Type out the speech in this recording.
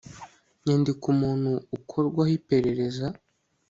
nyandiko umuntu ukorwaho iperereza